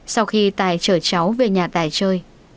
sau khi tài chở cháu về nhà tài chơi